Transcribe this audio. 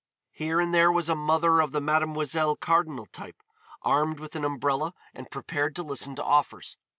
Here and there was a mother of the Mme. Cardinal type, armed with an umbrella and prepared to listen to offers.